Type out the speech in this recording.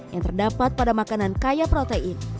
yang terdapat pada makanan kaya protein